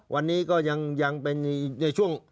วันนี้ก็ยังเป็นในช่วง